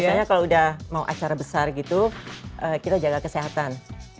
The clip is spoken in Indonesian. biasanya kalau udah mau acara besar gitu kita jaga kesehatan